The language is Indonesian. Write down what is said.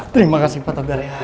terima kasih pak togar ya